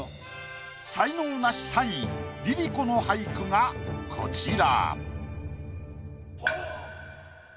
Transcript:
才能ナシ３位ＬｉＬｉＣｏの俳句がこちら。